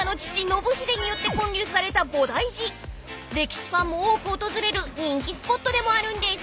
［歴史ファンも多く訪れる人気スポットでもあるんです］